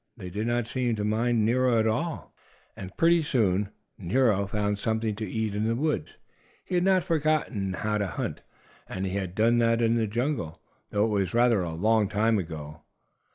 They did not seem to mind Nero at all. And, pretty soon, Nero found something to eat in the woods. He had not forgotten how to hunt, as he had done in the jungle, though it was rather a long time ago.